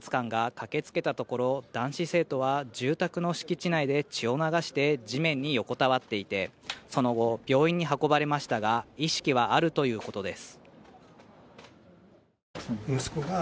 警察官が駆けつけたところ、男子生徒は住宅の敷地内で血を流して地面に横たわっていて、その後、病院に運ばれましたが意識はあるということです。